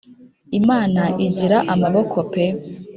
imana igira amaboko pe